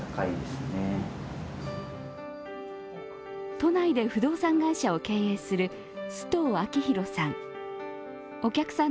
都内で不動産会社を経営する須藤啓光さん。